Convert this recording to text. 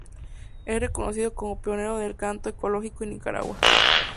Es reconocido como pionero del canto ecológico en Nicaragua.